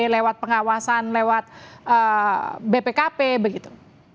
lewat pengawasan lewat bpkp begitu